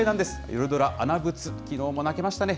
夜ドラ、あなブツ、きのうは泣けましたね。